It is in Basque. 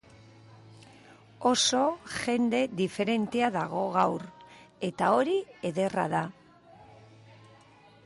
Oso jende diferentea dago gaur, eta hori ederra da.